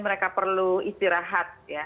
mereka perlu istirahat